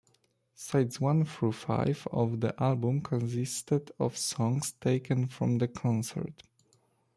Sides one through five of the album consisted of songs taken from the concert.